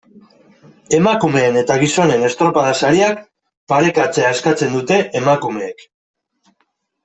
Emakumeen eta gizonen estropada-sariak parekatzea eskatzen dute emakumeek.